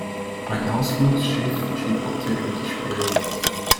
Ein Ausflugsschiff schipperte über die Spree.